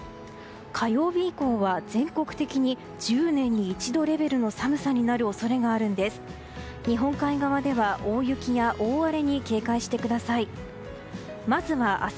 火曜日以降は、全国的に１０年に一度レベルの寒さになる恐れがあるんです。